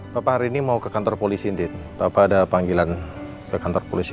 hai pak hari ini mau ke kantor polisi didn kgenprises panggilan ke kantor polisi